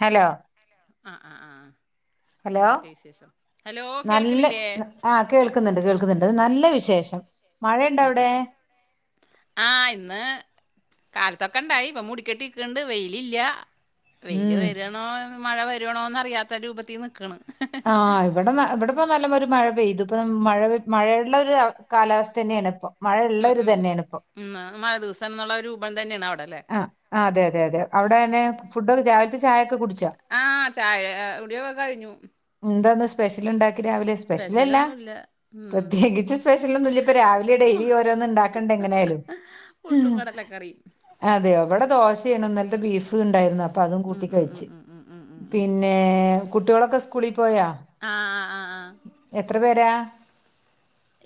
Hello ആഹ് ആഹ് ആഹ് ഹലോ എന്തൊക്കെ വിശേഷം? ഹലോ കേൾക്കണില്ലേ? ആഹ് കേൾക്ക്ന്ന്ണ്ട് കേൾക്ക്ന്ന്ണ്ട് ഇത് നല്ല വിശേഷം. മഴയുണ്ട ഉം അവിടെ ഉം ആഹ് ഇന്ന് കാലത്തൊക്കെണ്ടായി ഇപ്പോ മൂടികെട്ടിക്ക്ണ്ട് വെയിലില്ല്യ. വെയില് ഉം വരണോ മഴ വരണോന്ന് അറിയാത്ത രൂപത്തി നിക്കേണ് ആഹ് ഇവടെ ഇവടെപ്പോ നല്ല ഒരു മഴ പെയ്ത് ഇപ്പൊ മഴ മഴള്ള ഒര് കാലാസ്ഥന്നെണ് ഇപ്പൊ. മഴയുള്ള ഉം ഒരു ഉം ഉം തന്നെയാണ് ഇപ്പൊ ഉം മഴ ദിവസംന്നുള്ള രൂപം തന്നേണ് അവടെല്ലേ? ആഹ് അതെതെതെ അവടെങ്ങനെ ഫുഡോക്കെ രാവിലത്തെ ചായൊക്കെ കുടിച്ചോ? ആഹ് ചായ കുടിയൊക്കെ കഴിഞ്ഞു. എന്താന്ന് വെ സ്പെഷല് ഉണ്ടാക്കി രാവിലെ സ്പെഷലല്ലാ സ്പെഷ്യലൊന്നുല്ല പ്രത്യേകിച്ച് ഉം സ്പെഷലൊന്നും ഇല്ല ഇപ്പാ രാവിലെ ഡൈലി ഓരോന്ന്ണ്ടാ ക്കെണ്ട് എങ്ങനായാലും പുട്ടും കടലക്കറീം. അതെയോ ഇവടെ ദോശേണ് ഇന്നൽത്തെ ബീഫ് ഇണ്ടായ്രുന്നു അപ്പൊ അതും ഉം കൂട്ടി ഉം ഉം കഴിച്ചു. ഉം ഉം ഉം ഉം പി ഉം പിന്നെ കുട്ട്യോളൊക്കെ സ്കൂളി പോയാ? ആഹ് ആഹ് ആഹ് ആഹ് എത്ര പേരാ?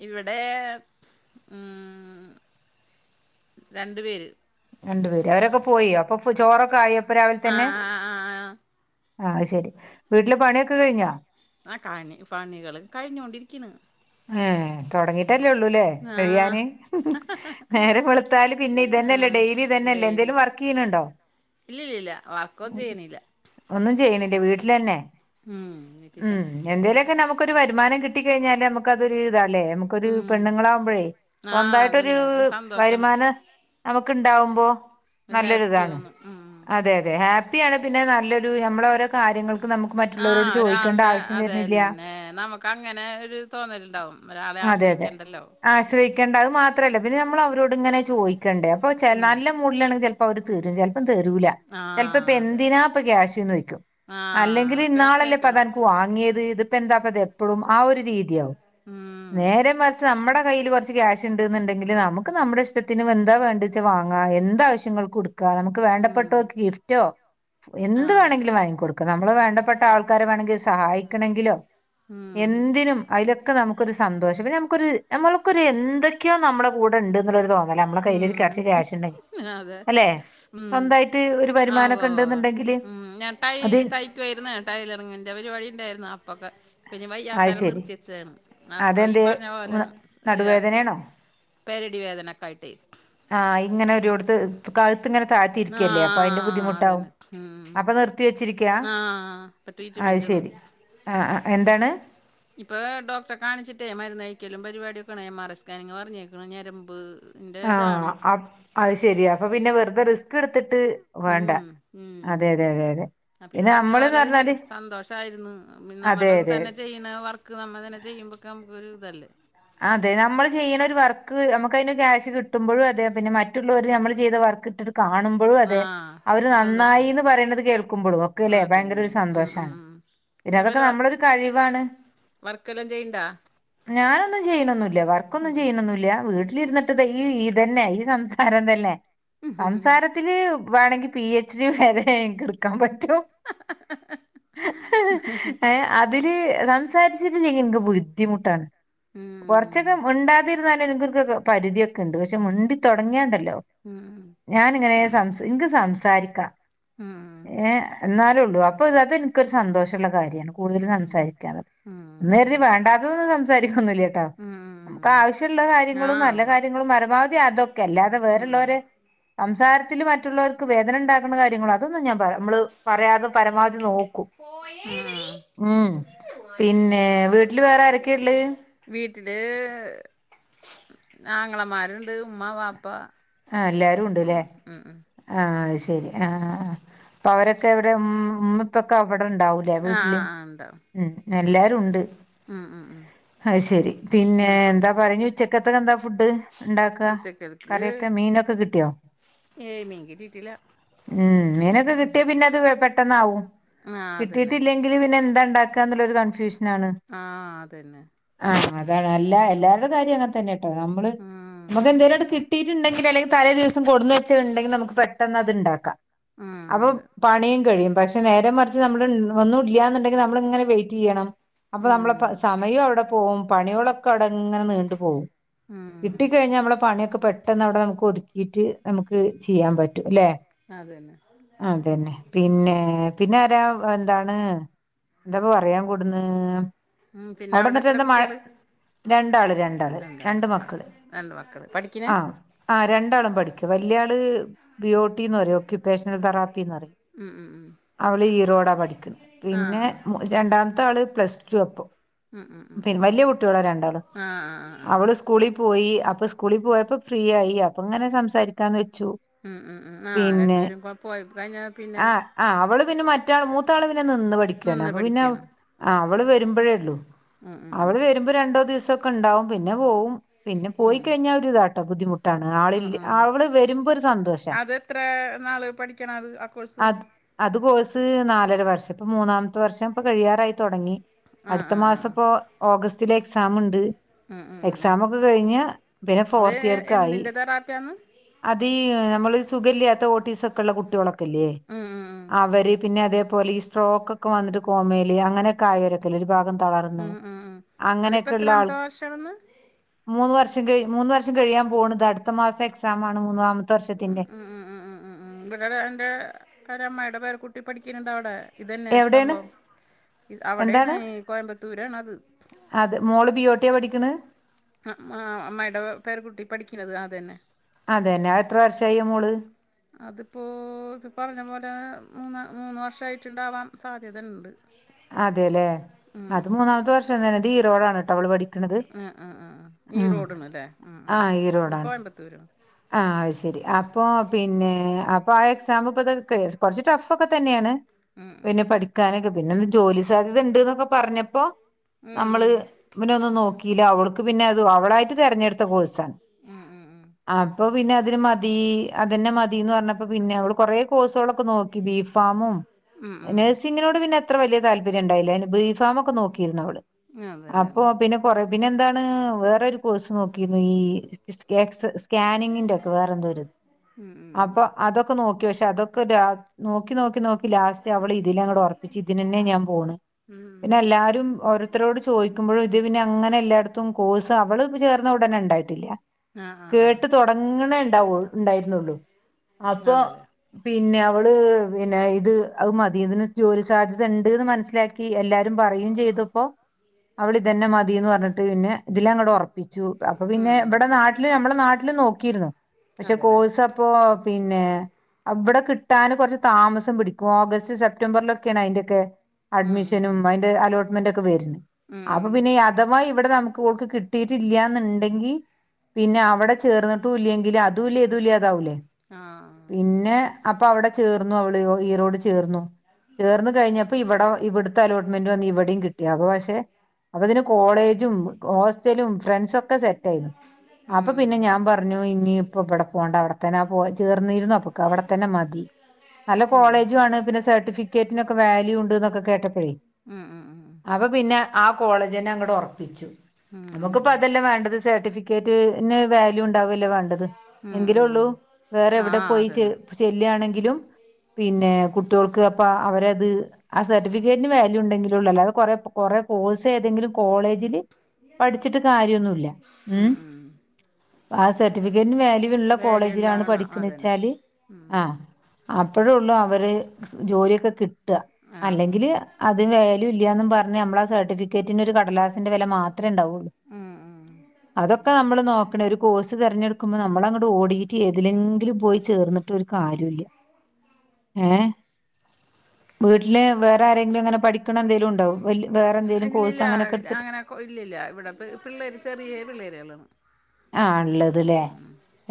ഇവടെ ഉം രണ്ട് പേര്. രണ്ട് പേര് അവരൊക്കെ പോയി അപ്പൊ ഇപ്പൊ ചോറൊക്കെ ആയോ ഇപ്പൊ രാവിൽ തന്നെ? ആഹ് ആഹ്. അത്‌ശരി വീട്ട്ലെ പണിയൊക്കെ കഴിഞ്ഞാ? ആഹ് കണി പണികള് കഴിഞ്ഞോണ്ടിരിക്കിണ്‌. ഏഹ് തുടങ്ങിട്ടല്ലേള്ളൂല്ലേ ആ കഴിയാന് നേരംവെളുത്താല് ആ പിന്നെത്തെന്നെല്ലേ ഡെയിലിതെന്നെല്ലേ എന്തെേലും വർക്കെയ്യുണുണ്ടോ ഇല്ല വർക്കൊന്നും ചെയ്യണില്ല ഒന്നുംചെയ്യിണില്ല്യ വീട്ടിലെന്നെ ഉം വീട്ടിൽ ആഹ് തന്നെ എന്തേലൊക്കെ നമുക്കൊരു വരുമാനം കിട്ടികഴിഞ്ഞാല് നമു ക്കതൊരുതാല്ലേ നമുക്കൊരു ഉം പെണ്ണുങ്ങളാകുമ്പഴേ ആ സ്വന്തായിട്ടൊരു അതന്നെ ഒരു സന്തോഷം വരുമാനക നമക്കണ്ടാവുമ്പോ ഒരു ഹാപ്പിതോന്നും അതെയതെ ഹാപ്പിയാണ് പിന്നെ നല്ലൊരുനമ്മളോരോകാര്യങ്ങള് ആഹ് ഒരാളുടെ അതെന്നെ നമ്ക്കങ്ങ നെ ഒരു തോന്നലുണ്ടാവും ഒരാളെ അതെയതെ ആശ്രയിക്കണ്ടല്ലോ ആശ്രയിക്കേണ്ട അയി മാത്രല്ല പിന്നെ നമ്മള് അവരോട്ങ്ങനെ ചോയി ഉം ക്കണ്ടേഅപ്പൊനല്ല മൂടിലാണെങ്കി ചെലപ്പോഅവര്തരും ചെലപ്പം തരൂല. ആ അതെ ചെലപ്പപെന്തിനാഇപ്പ ക്യാഷ്ന്നോയിക്കും ആ അതൊക്കെ അല്ലെങ്കില്ഇന്നാളല്ലേ കേക്കണം ഇപ്പതനക്ക് വാങ്ങിയത് ഇതിപ്പെന്താപ്പത് എപ്പളും ആ ഒരു രീതിയാവും ഉം നേരെമറി നമ്മെടകയ്യില്കൊറച്ച്ക്യാഷ്ണ്ട്ന്ന്ണ്ടെങ്കില് നമക്ക്നമ്മടെ ഇഷ്ടത്തിന് എന്താവേണ്ടിച്ചേവാങ്ങാ എന്താവശ്യങ്ങൾ കൊടുക്കാനമ്മക്ക് ഉം വേണ്ടപ്പെട്ടോര്ക്ക് ഗിഫ്റ്റോഎന്ത് ആഹ് വേണെങ്കിലുംവാങ്ങികൊടുക്ക ക്ക്നമ്മളെവേണ്ടപ്പെട്ടാൾകാരെ വേണെങ്കിസഹായിക്കാണെങ്കിലൊ ഉം എന്തിനുംഅയിലൊ നമുക്കൊരുസന്തോഷം പിന്നെ നമുക്കൊരുനമ്മള്ക്കൊരു എന്തൊക്കെയോനമ്മുടെകൂടെ ഇണ്ട്ന്നൊരു തോന്ന ന്നാലും നമ്മളെ കയ്യിലൊരു ഉം കൊറച്ച് ക്യാഷ്ണ്ട അതെ അല്ലെ ഉം സ്വന്തായിട്ട് ഒരു വരുമാനൊക്കെഇണ്ട്ന്ന്ണ്ടെങ്കില് ആഹ് ഞാട്ടൈ തയയിക്കുവായിരുന്ന ടൈലറിങ്ങിന്റെപരിപാടിണ്ടായിരുന്ന് അപ്പൊക്കെ. അത് ശെരി പിന്നെവയ്യാത്തരംനിർത്യച്ചാണ് അതെന്തേ അപ്പഈപറഞ്ഞപോലാണ് ആഹ് നടുവേദനേണോ? പെരടി വേദനക്കായിട്ട് ആഹ് ഇങ്ങനെരോട്ത്ത് കഴുത്തിങ്ങനെതാഴ്ത്തിരിക്കല്ലേ അപ്പഅയിന്റെ ആഹ് ബുദ്ധിമുട്ടാവും അതന്നെ ഉം അപ്പനിർത്തിവെച്ചിരി ക്യാ ആഹ് ഇപ്പൊ അയ് ട്രീറ്റ്മെന്റാണ് ശെരി ആഹ് ആഹ് എന്താണ്? ഇപ്പെ ഡോക്ടറെകാണിച്ചിട്ടേ മരുന്നഴിക്കലും പരിപാടിഒക്കെണ് എം ആർ ഐ സ്കാനിങ്ങ് പറഞ്ഞേക്കണ് ഞരമ്പ് ആഹ് അയിശെരിയാ അപ്പൊപിന്നെ വെറുതെറിസ്ക്ക്ട്ത്തിട്ട് വേണ്ട അതെയതെ യതെയതെ അപ്പഈപറഞ്ഞപോലൊരു അതെ അതെ സന്തോഷായിരിന്ന്നമ്മൾതന്നെ ചെയ്യണവർ ക്ക്നമ്മതന്നെ ചെയ്യുമ്പക്ക മ്മക്കൊരുതല്ലേ അതെ നമ്മള് ചെയ്യണൊരു വർക്ക് നമുക്കയിന് ക്യാഷ് കിട്ടുമ്പോഴതെ പിന്നെമറ്റുള്ളോര് നമ്മള്ചെയ്തവർക്ക് ക്ക്ത്കാണും മ്പോഴതെ ആഹ് ആ സന്തോഷം അവര്നന്നായിന്ന് പറയണത് കേൾക്കുമ്പോഴും ഒക്കല്ലെ അതന്നെ ഭയങ്കരൊരു ഉം ഉം സന്തോഷാണ് ഉം പിന്നെതൊക്കെനമ്മളൊരു കഴിവാണ്. വർക്കെല്ലാംചെയ്യണ്ടാ ഒന്നുംചെയ്യണൊന്നില്ല്യ വർക്കൊന്നുംചെയ്യണൊന്നില്ല്യ വീട്ടിലിരുന്നിട്ട്ത് ഈഇതന്നെഈ സംസാരംതന്നെ ഉം സംസാരത്തില് വേണമെങ്കി പി എച്ച് ഡി വരെനിക്ക്ട്ക്കാൻപറ്റും ഏഹ് അ തില്സംസാരിച്ചിട്ടില്ലെങ്കിനിക്ക് ബുദ്ധിമുട്ടാണ് കുറച്ചൊക്കെമുണ്ടാതിരുന്നാല് നികൊക്കെപരിധിയൊക്കെണ്ട് പശ് ക്ഷെമുണ്ടിതോടങ്ങിയണ്ടല്ലോ ഉം ഉം ഞാാനിങ്ങനെസംസ് ഇനിക്ക് സംസാരിക്കാ ആഹ് ഏഹ് ന്നാലേള്ളൂ അപ്പൊതിനിക്കരു സന്തോഷള്ള കാര്യണ് ഉം കൂടുതലുംസംസാരിക്കാന് ഉം എന്ന് ഉം കരുതിവേണ്ടാത്തൊന്നും സംസാരിക്കൊന്നല്ല്യാട്ടാ ഉം നമുക്കാവശ്യള്ള കാര്യങ്ങളും ആഹ് നല്ല ഉവ്വ കാര്യങ്ങളുംപരമാവധിഅതൊക്കെ അല്ലാതെ ഉം വേറള്ളോര് സംസാരത്തില് മറ്റുള്ളോര്ക്ക് വേദനണ്ടാക്കുണ കാര്യങ്ങള് അതൊന്നുംഞാൻ പറനമ്മള് പറയാതെ പരമാവധിനോ ആഹ് പിന്നെ വീട്ടില് വേറെ ആരൊക്കെയാ ഉള്ളേ [unintelligible] വീട്ടില് ആങ്ങളമാര്ണ്ട് ഉമ്മവാപ്പ ആഹ്എല്ലാരുണ്ട്ല്ലേ ആഹ് അഹ് ശെരി ആഹ് അഹ് അപ്പൊ അവരൊക്കെ ഇവിടെ ഉം ഉമ്മിപ്പൊക്കെ അവിടെ ഉണ്ടാവു എല്ലാ ആഹ് വീട്ടിലും ആഹ് ആഹ് ഉണ്ടാവും ഉം എല്ലാരും ഉണ്ട് ഉം ഉം ഉം അഹ് ശെരി പിന്നെ ഉം എന്താ പറഞ്ഞു ഉച്ചക്കത്തക്കെ എന്താ ഫുഡ് ഉണ്ടാക്ക ഉച്ചക്കൽക്ക് കറീക്കെ മീ മീനൊക്കെ കിട്ടിയോ ഏഹ് മീങ്കിട്ടീട്ടില്ല ഉം മീനൊക്കെ കിട്ടിയാ പിന്നെ അത് പെട്ടെന്നാവും ആഹ് അതന്നെ കിട്ടിയിട്ടില്ലേ ല്ലെങ്കില് പിന്നെന്താണ്ടാക്ക എന്നുള്ളൊരു കൺഫ്യൂഷ ആഹ് അതന്നെ ആഹ് അതാണ് അല്ല എല്ലാരുടെ കാര്യം അങ്ങൻതന്നാട്ടോ നമ്മള് ഉം നമുക്ക് എന്തേലും അട് കിട്ടി ണ്ടെങ്കിൽ അല്ലെങ്കിൽ തലേ ദിവസം കൊട്ന്ന് വെച്ച ഇണ്ടെങ്കി നമുക്ക് പെട്ടെന്ന് അത്ണ്ടാക്കാം ഉം അപ്പം അതെ പണിയും കഴിയും പക്ഷെ നേരെ മറിച്ച് നമ്മൾ ഒന്നും ഒന്നൂല്യാന്നുണ്ടെങ്കിൽ നമ്മള് ങ്ങനെ വെയിറ്റ് ചെയ്യണം അപ്പൊ നമ്മള ഉം പ സമയവും അവിടെ പോവും പണികളൊക്കെ അവിടെങ്ങനെ നീണ്ടു പോവും ഉം കിട്ടിക്കഴിഞ്ഞാ നമ്മള പണിയൊക്കെ പെട് പെട്ടന്നവിടെ നമ്മക്കൊതു ഈറ്റ് നമുക്ക് ചെയ്യാൻ പറ്റും അല്ലെ ആതന്നെ അതന്നെ പിന്നെ പിന്നെ ആരാ എന്താണ് എന്താപ്പ പറയാൻ കൂടന്ന് ഉം പിന്നെ അവിടെ എത്ര അവിടെന്നിട്ട്ന്ന് മഴ കുട്ടികള് രണ്ടാള് രണ്ടാള് രണ്ടാളാ രണ്ട് ആ, മക്കള് രണ്ട് മക്കള് പഠി ആഹ് ആഹ് രണ്ടാളും പഠിക്ക വല്യാള് ബിയോട്ടീന്ന് പറയും ഒക്യുപേഷണൽ തെറാപ്പിന്ന് പറ ഉം ഉം ഉം അവള് ഈറോടാ പഠിക്കുന്നെ പിന്നെ ആഹ് രണ്ടാമത്തെ ആള് പ്ലസ് ടുവാ ഇപ്പൊ ഉം ഉം ഉം പിന്നെ ഉം വല്യ കുട്ടികളാ രണ്ടാളും ആഹ് ആഹ് ആഹ് ആഹ് അവള് സ് സ്കൂളി പോയി അപ്പൊ സ്കൂളി പോയപ്പോ ഫ്രീ ആയി പ്പങ്ങനെ സംസാരിക്കാന്ന് വെച്ചു ഉം ഉം ഉം ആഹ് പിന്നെ രണ്ടുപേരും കൊ- പോയി കഴിഞ്ഞാൽ പിന്നെ ആഹ് ആഹ് അവള് പിന്നെ മറ്റാൾ മൂത്താള് പിന്നെ നിന്ന് പഠിക്കണ് നിന്ന് അപ്പൊ പിന്നെ പഠിക്കണം ആഹ് അവള് വരുമ്പോഴേയുള്ളു ഉം ഉം ഉം അവള് വരുമ്പോ രണ്ടോ ദിവസോക്കെണ്ടാവും പിന്നെ പോവും പിന്നെ ഉം പോയിക്കഴിഞ്ഞാ ഒരു ഇതാണ് ദ്ധിമുട്ടാണ് ആഹ് ആള്ല്ലെ ആഹ് ആഹ് അവള് വരുമ്പോ ഒരു സന്തോഷാ അതെത്ര നാള് പഠിക്കണം അത് ആ കോഴ്സ് അത് അത് കോഴ്സ് നാലര വർഷം ഇപ്പൊ മൂന്നാമത്തെ വർഷം ഇപ്പൊ കഴിയാറായി തുടങ്ങി ആഹ് അടുത്ത ആഹ് മാസം ആഹ് ഇപ്പൊ ഓഗസ്റ്റിലെ എക്സാംണ്ട് ഉം ഉം എക്സാമൊക്കെ കഴിഞ്ഞാ പിന്നെ ഫോർത്ത് എന്തിൻ്റെ തെറാപ്പിയാന്ന് അതീ നമ്മള് സുഖല്ല്യാത്ത ഓട്ടീസക്കെള്ള കുട്ടികളൊക്കെ ഉം ഉം ഉം [unintelligible] അവര് പിന്നെ അതേപോലെ ഈ സ്ട്രോക്കൊക്കെ വന്നിട്ട് കോമയില് അങ്ങനെ കായരൊക്കെല്ലേ ഒരു ഭാഗം തളർന്ന് ഉം ഉം ഉം അതിപ്പോ അങ്ങനെയൊക്കെയ്ള്ള ആൾ എത്രാമത്തെ വർഷാണെന്ന് മൂന്ന് വർഷം കഴിഞ്ഞ് മൂന്ന് വർഷം കഴിയാൻ പോണ് ഇത് അടുത്ത മാസം എക്സാമാണ് മൂന്നാമത്തെ വർഷത്തിന്റെ അഹ് ആഹ് ഇവിടടെ എൻ്റെ കരമ്മായുടെ പേര് കുട്ടി പഠിക്ണ്ണ്ട് അവിടെ ഇതന്നെ എവിടെയാണ് സംഭവം അവിടെയാണ് ഈ കോയമ്പത്തൂരാണ് അത് അതേ മോള് ബിയോട്ടിയാ പഠിക്ണ് അഹ് മാ അമ്മായീടെ പേരകുട്ടി പഠിക്കുന്നത് അ തന്നെ അതെന്നെ അത് എത്ര വർഷായി അ മോള് അതിപ്പോ പ്പോ പറഞ്ഞ പോലെ മൂന്ന് മൂന്ന് വർഷമായിട്ടുണ്ടാവാൻ സാധ്യതണ്ട് അതേല്ലെ അത് മൂന്നാമത്തെ വർഷം തന്നെ അതീറോടാണ് ട്ടോ അവള് പഠി ആഹ് ആഹ് ആഹ് ഈ റോഡ്ണ് ല്ലേ അഹ് അഹ് ഇത് കോയമ്പത്തൂര് ആഹ് അഹ് ശരി അപ്പൊ പിന്നെ അപ്പൊ ആ എക്സാം ഇപ്പത് കുറച്ച് ടഫൊക്കെ തന്നേണ് ഉം ഉം പിന്നെ പഠിക്കാനൊക്കെ പിന്നെന്ത് ജോലി സാധ്യതണ്ട്ന്നൊക്കെ പറഞ്ഞപ്പോ ഉം നമ്മള് പിന്നൊന്നും നോക്കിയില്ല അവൾക്ക് പിന്നെ അത് അവളായിട്ട് തെരഞ്ഞെടുത്ത കോഴ്സാ ഉം ഉം ഉം അപ്പൊ പിന്നെ അതിന് മതി അതന്നെ മതീന്ന് പറഞ്ഞപ്പോ പിന്നെ അവള് കൊറെ കോഴ്സുകളൊക്കെ നോക്കി ബീഫാമും ഉം ഉം നഴ്സിങ്ങിനോട് പിന്നെ അത്ര വലിയ താല്പര്യം ഉണ്ടായില്ല ബീഫാമൊക്കെ നോക്കിയിരുന്നു അവള് ഉം അതെല്ലേ അപ്പോ ഉം പിന്നെ കൊറെ പിന്നെ എന്താണ് വേറരു കോഴ്സ് നോക്കിരുന്നു ഈ സ്ക്കേട്സ് സ്കാനിങ്ങിന്റെ ഒക്കെ വേറെന്തോരിത് ഉം അപ്പൊ അതൊക്കെ നോക്കി പക്ഷെ അതൊക്കെ നോക്കി നോക്കി നോക്കി ലാസ്റ്റ് അവള് ഇതിലങ്ങട്റപ്പിച്ച് ഇതിനന്നെ ഞാൻ പോണ് ഉം ഉം ഉം. പിന്നെല്ലാരും ഓരോരുത്തരോട് ചോദിക്കുമ്പോഴും ഇത് പിന്നെ അങ്ങനെ എല്ലായിടത്തും കോഴ്സ് അവള് ത് ചേർന്ന ഉടനെ ഉണ്ടായിട്ടില്ല ആ ആ കേട്ട് തൊടങ്ങണേ ഉണ്ടാവൂ ഉണ്ടായിരുന്നുള്ളു ആ അപ്പൊ അതെല്ലേ പിന്നെ അവള് പിന്നെ ഇത് അത് മതി ഇതിന് ജോലി സാധ്യത ഉണ്ട്ന്ന് മനസ്സിലാക്കി ക്ക് എല്ലാരും പറയും ചെയ്തപ്പോ അവളിതന്നെ മതിന്ന് പറഞ്ഞിട്ട് പിന്നെ ഇതിലങ്ങോട്ട് ഉറപ്പ വിച്ചു അപ്പൊ ഉം പിന്നെ ഉം ഇവിടെ നാട്ടില് നമ്മെ നാട്ടില് നോക്കിരുന്നു പക്ഷെ അതെല്ലേ കോഴസ് പ്പോ പിന്നെ അവിടെ കിട്ടാന് കുറച്ച് താമസം പിടിക്കും ഓഗസ്റ്റ് സെപ് സെപ്റ്റംബറിലൊക്കെയാണ് അതിന്റെൊക്കെ ഉം ഉം അഡ്മിഷനും അതിന്റെ അലോട്ട്മെന്റൊക്കെ വരുന്നത് ഉം ഉം അപ്പൊ ഉം പിന്നെ ഈ അഥവാ ഇവിടെ നമുക്ക് ഓൾക്ക് കിട്ടിയിട്ടില്ലന്നുണ്ടെങ്കി പിന്നെ അവിടെ ചേർന്നിട്ടൂല്ലെങ്കിൽ അതൂല്ല ഇതൂല്ലാഅതാവൂലേ ആ പിന്നെ അപ്പൊ അവിടെ ചേർന്നു അവള് ഈറോട് ചേർന്നു ചേർന്ന് കഴിഞ്ഞപ്പോ ഇവിടെ ഇവിടു ടത്തെ അലോട്ട്മെന്റ് വന്ന് ഇവിടെയും കിട്ടി അപ്പ പക്ഷെ അപ്പതിന് കോളേജും ഹോസ്റ്റലും ഫ്രണ്ട്സൊക്കെ സെറ്റായിണ് അപ്പൊ പിന്നെ ഉം ഞാൻ പറഞ്ഞു ഇനീപ്പം ഇബിടെ പോകണ്ട അവിടെത്തന്നെ പോ ചേർന്നിരുന്നു അപ്പൊക്കെ അവിടെത്തന്നെ മതി നല്ല ഉം ഉം ഉം ഉം കോളേജുമാണ് പിന്നെ സർട്ടിഫിക്കറ്റിനൊക്കെ വാല്യുണ്ടെന്നൊക്കെ കേട്ടപ്പോഴേ അപ്പൊ പിന്നെ ആഹ് കോളേജന്നെ അങ്ങോട്ടൊറപ്പിച്ചു ഉം ഉം നമുക്കിപ്പ ഉം അതെല്ലേ വേണ്ടത് സർട്ടിഫിക്കറ്റ് പിന്നെരു വാല്യൂ ഉണ്ടാവൂല്ലേ വേണ്ടത് ഉം എങ്കിലേള്ളൂ വേറെ ആ എവിടെ പോയി ചെ അതന്നെ ശെല്യാണെങ്കിലും പിന്നെ കുട്ടിഓൾക്ക് അപ്പ അവരത് ആ സർട്ടിഫിക്കറ്റിന് വാല്യൂ ഉണ്ടെങ്കിലെ ഉള്ളൂ അല്ലാതെ കൊറേ കൊറെേ കോഴ്സേതെങ്കിലും കോളേജില് പഠിച്ചിട്ട് കാര്യൊന്നൂല്ല ഉം ആഹ് സർട്ടിഫിക്കറ്റിന് വാല്യൂള്ള വാല്യുള്ള കോളേജിലാണ് ആണോ അതന്നെ പഠിക്കണച്ചാല് ഉം ആ ഹ് അപ്പൊഴെ ഉള്ളൂ അവര് ജോലിയൊക്കെ കി ആ ആ അല്ലെങ്കിൽ അത് വല്യൂല്ലാന്നുംപറഞ്ഞ് മ്മള ആഹ് സർട്ടിഫി ഫിക്കേറ്റിനൊരു കടലാസിന്റെ വില മാത്രമേ ഉണ്ടാവുള്ളൂ ഉം ഉം അതൊക്കെ നമ്മള് നോക്കെണ ഒരു കോഴ്സ്തിരഞ്ഞെടുക്കുമ്പോൾ നമ്മളങ്ങോ ഓടിയിട്ട് ഏതിലെങ്കിലും പോയി ചേർന്നിട്ട് ഒരു കാര്യവില്ല ഏഹ് വീട്ടില് വേറെ ആരെങ്കിലും അങ്ങനെ പഠിക്കണ എന്തേലും ഉണ്ടോ വേറെന്തേലും കോഴ്സ് അങ്ങനൊക്കെ എടുത്തിട്ട് ഓഇല്ലില്ല ഇവിടെ പിള്ളേര് ചെറിയ പിള്ളേരികളാണ് ആണിള്ളതല്ലേ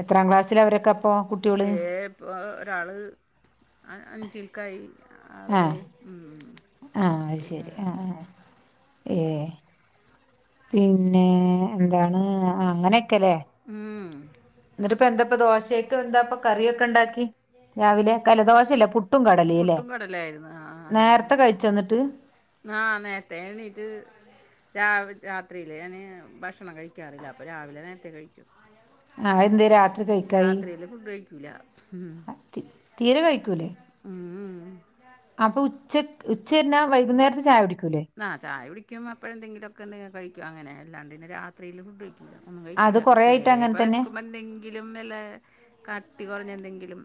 എത്രാം ക്ലാസ്സിലാവരൊക്കെ അപ്പൊ കുട് ദേ ഇപ്പോ ഒരാള് അഞ്ചിൽക്കായി ആള് ആ ദേ ഉം ആഹ് അയ് പിന്നെ ശരി അഹ് അഹ് ഏഹ് പിന്നെ എന്താണ് അങ്ങനൊക്കെല്ലേ മ് എന്നിട്ടിപ്പ എന്താപ്പ ദോശക്കെന്താപ്പ കറിയൊക്കെണ്ടാക്കി രാവിലെ കല ദോശല്ല പുട് പുട്ടും കടലല്ലേ പുട്ടും കടലായിരുന്നു നേരത്തെ കഴിച്ചൊന്നിട്ട് ആഹ് നേരത്തെണീറ്റ് രാവി രാത്രിയില് ഞാന് ഭക്ഷണം കഴിക്കാറില്ല അപ്പൊ രാവിലെ നേരത്തെ കഴിക്കും ആഹ് എന്തെ രാത്രി കഴിക്കായി രാത്രിയിൽ ഫുഡ് കഴിക്കൂല ഉം ആ, തി- തീരെ കഴിക്കൂലേ ഉംമ് അപ്പൊ ഉച്ച തിരിഞ്ഞാൽ വൈകുന്നേരത്തെ ചായ കുടിക്കൂല്ലേ? ആ ചായ കുടിക്കും അപ്പോഴന്തെ ങ്കിലുഒക്കെണ്ടെങ്കിൽ കഴിക്കുംഅങ്ങനെ അല്ലാതെന്നെ രാത്രീല് ഫുഡ് കഴിക്കും ഒന്നും അത് കഴിക്കൂല്ല കൊറേ ആയിട്ട് അങ്ങനെ ചെലപ്പോ തന്നെ വിശക്കുമ്പോ എന്തെങ്കിലും ഇതിലും വല്ല കട്ടി കുറഞ്ഞ എന്തെങ്കിലും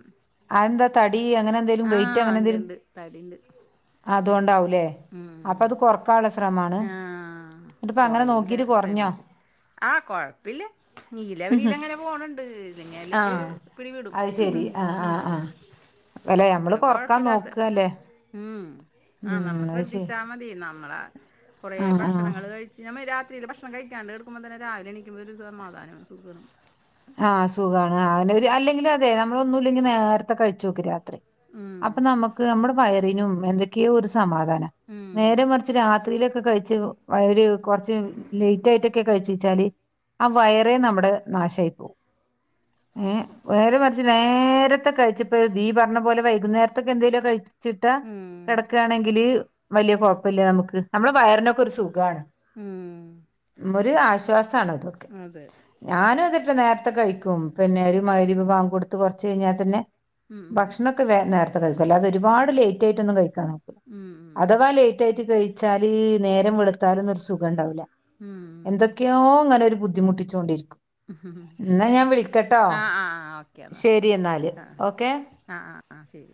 അതെന്താ തടി അങ്ങനെന്താ ആഹ് ഉണ്ട്ണ്ട് തടിണ്ട് അതുകൊണ്ടാവൂലേ അപ്പ അത് കൊറക്കാനുള്ള ശ്രമമാണ് ആ കുറേയൂല ശ്രെമിച്ചു ആഹ് കൊഴപ്പല്ല നീല അവരില അങ്ങനെ പോണണ്ട് ഇല്ലെങ്ങാല് ആഹ് പിടിവിടും അത് ഉ ശെരി ആഹ് ഉ ആഹ് ആഹ് അല്ലെ ഉം നമ്മള് കൊറക്കാൻ കുഴപ്പല്ലതെ നോക്കല്ലേ ഉം അത് ശരി ശ്രദ്ധിച്ചാൽ മതി നമ്മള കൊറേ ആഹ് ആഹ് ഭക്ഷണങ്ങൾ കഴിച്ച പക്ഷെ നമ്മൾ രാത്രിയില് ഭക്ഷണം കഴിക്കാണ്ട് കിടക്കുമ്പോ തന്നെ രാവിലെ എണീക്കുമ്പോ ഒരു സമാധാനവും സുഗണ് ആഹ സുഖാണ് അങ്ങനെ ഒരു അല്ലെങ്കിലും അതെ നമ്മള ഒന്നുംല്ലെങ്കി നേർത്തെ അ കഴിച്ചു നോക്കെ രാത്രി ഉം. അപ്പൊ നമക്ക് നമ്മുടെ വയറിനും എന്തൊക്കെയോ ഒരു സമാധാനം നേരെ ഉം. മറിച്ച് രാത്രിയിലൊക്കെ കഴിച് ഒരു കുറച്ച് ലേറ്റ് ആയിട്ടൊക്കെ കഴിച്ച വച്ചാല് ആ വയറെ നമ്മടെ നാശയി നേരെ മറിച്ച് നേരത്തെ കഴിച്ചപ്പന്നീപറഞ്ഞ പോലെ വൈകുന്നേരത്തൊക്കെ എന്തേലൊക്കേ കഴിച്ചു ചിട്ട് ഉം. കിടക്കുകയാണെങ്കില് വലിയ കുഴപ്പില്ല നമുക്ക് നമ്മള് വയറിനൊക്കെ ഒരു സുഖണ് ഉം ഒരു ആശ്വാസണതൊക്കെ അതെ ഞാനും അതിട്ട നേരത്തെ കഴിക്കും പിന്നെ ഒരു മാഅരിബ് ബാങ്ക് കൊടുത്ത് കുറച്ച് കഴിഞ്ഞാൽ തന്നെ ഉം. ഭക്ഷണൊക്കെ വേഗനേരു അല്ലാതെ ഒരുപാട് ലേറ്റ് ആയിട്ടൊന്ന് കഴിക്ക നോക്ക് ഉം അഥവാ ലേറ്റ് ആയിട്ട് കഴിച്ചാല് നേരം വെളുത്താലൊന്നും ഒരു സുഖം ഉണ്ടാവൂല്ല ഉം. എന്തൊക്കെയോ ങ്ങനെ ഒരു ബുദ്ധിമുട്ടിച്ചോണ്ടിരിക്കും ഉ എന്നാ ഞാൻ വിളിക്കട്ടോ ആഹ് ആഹ് ഓക്കെന്ന ശരി എന്നാല് എന്ന ഓക്കെ ആഹ് ആഹ് ആഹ് ശരി.